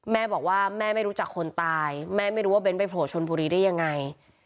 แม่บอกว่าแม่ไม่รู้จักคนตายแม่ไม่รู้ว่าเน้นไปโผล่ชนบุรีได้ยังไง